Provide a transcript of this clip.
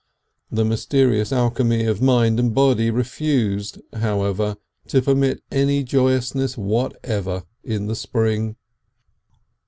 The mysterious alchemy of mind and body refused, however, to permit any joyousness whatever in the spring.